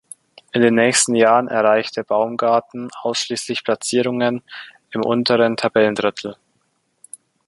In den nächsten Jahren erreichte Baumgarten ausschließlich Platzierungen im unteren Tabellendrittel.